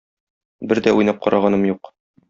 Бер дә уйнап караганым юк.